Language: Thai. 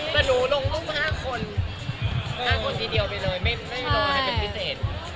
แต่หนูลงรูป๕คน๕คนทีเดียวไปเลยไม่ลงอะไรเป็นพิเศษ